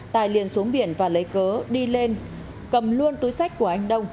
tài liền xuống biển và lấy cớ đi lên cầm luôn túi sách của anh đông